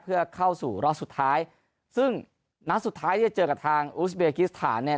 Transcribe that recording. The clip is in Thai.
เพื่อเข้าสู่รอบสุดท้ายซึ่งนัดสุดท้ายที่จะเจอกับทางอูสเบกิสถานเนี่ย